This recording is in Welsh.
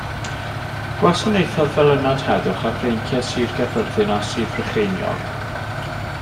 Gwasanaethodd fel ynad heddwch ar feinciau Sir Gaerfyrddin a Sir Frycheiniog.